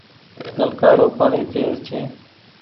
نلڪآ رو پآڻيٚ تيز ڇي ۔